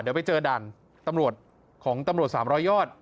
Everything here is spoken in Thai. เดี๋ยวไปเจอด่านตำรวจของตำรวจ๓๐๐ยอด